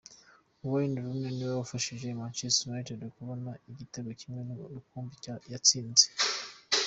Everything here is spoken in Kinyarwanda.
Wayne Rooney niwe wafashije Manchester United kubona igitego kimwe rukumbi yatsinze.